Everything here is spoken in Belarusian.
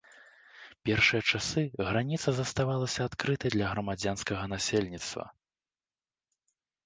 Першыя часы граніца заставалася адкрытай для грамадзянскага насельніцтва.